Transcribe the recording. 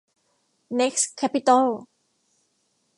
เน็คซ์ แคปปิตอล